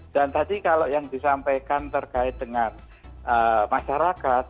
dan tadi kalau yang disampaikan terkait dengan masyarakat